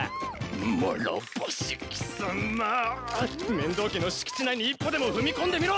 面堂家の敷地内に一歩でも踏み込んでみろ！